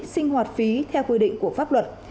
sinh hoạt phí theo quy định của pháp luật